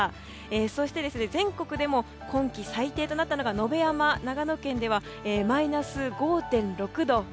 そして、全国でも今季最低となったのが野辺山、長野県ではマイナス５．６度。